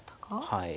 はい。